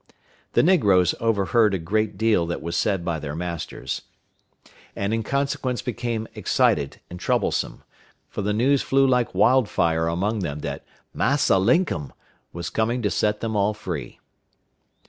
The negroes overheard a great deal that was said by their masters, and in consequence became excited and troublesome, for the news flew like wild fire among them that "Massa Linkum" was coming to set them all free.